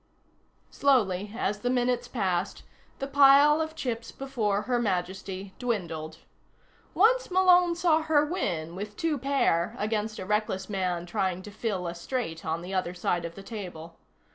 Slowly, as the minutes passed, the pile of chips before Her Majesty dwindled. Once Malone saw her win with two pair against a reckless man trying to fill a straight on the other side of the table.